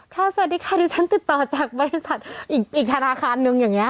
สวัสดีค่ะที่ฉันติดต่อจากบริษัทอีกธนาคารนึงอย่างนี้